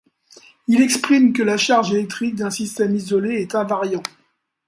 Il exprime que la charge électrique d'un système isolé est un invariant.